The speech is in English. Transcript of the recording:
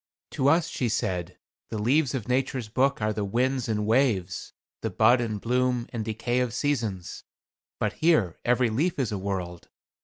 "To us," she said, "the leaves of Nature's book are the winds and waves, the bud and bloom and decay of seasons. But here every leaf is a world.